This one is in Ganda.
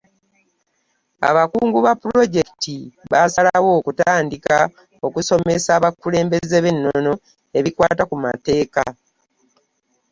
Abakungu ba pulojekiti baasalawo okutandika okusomesa abakulembeze b’ennono ebikwata ku mateeka.